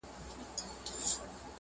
د یو ځوان لیکوال پر مقاله